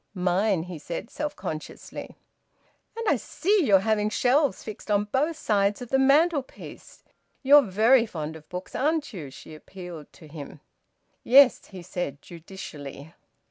"Mine!" he said self consciously. "And I see you're having shelves fixed on both sides of the mantelpiece! You're very fond of books, aren't you?" she appealed to him. "Yes," he said judicially.